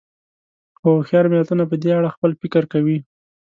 خو هوښیار ملتونه په دې اړه خپل فکر کوي.